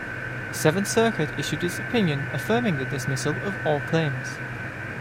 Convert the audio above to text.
The Seventh Circuit issued its opinion affirming the dismissal of all claims.